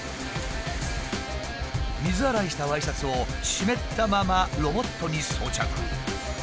水洗いしたワイシャツを湿ったままロボットに装着。